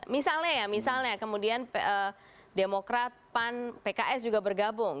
misalnya ya misalnya kemudian demokrat pan pks juga bergabung